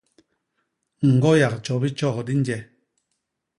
Ñgo yak tjobi tjok di nje.